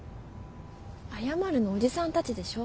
謝るのおじさんたちでしょ。